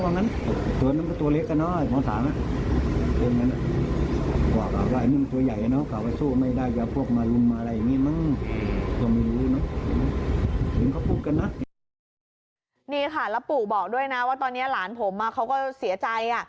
นี่ค่ะแล้วปู่บอกด้วยนะว่าตอนนี้หลานผมเขาก็เสียใจ